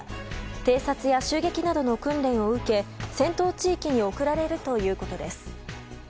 偵察や襲撃などの訓練を受け戦闘地域に送られるということです。